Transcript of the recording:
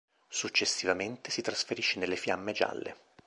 Successivamente si trasferisce nelle Fiamme Gialle.